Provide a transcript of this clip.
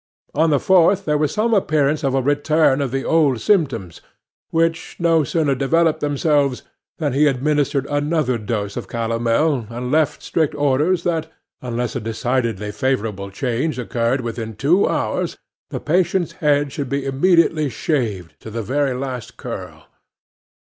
On the fourth there was some appearance of a return of the old symptoms, which no sooner developed themselves, than he administered another dose of calomel, and left strict orders that, unless a decidedly favourable change occurred within two hours, the patient's head should be immediately shaved to the very last curl.